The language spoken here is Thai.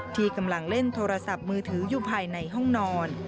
ที่กำลังเล่นโทรศัพท์มือถืออยู่ภายในห้องนอน